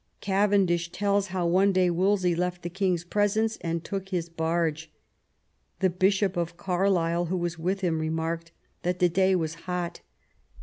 Cavendish tells how one day Wolsey left the king's presence and took his barge. The Bishop of Carlisle, who was with him, remarked that the day was hot.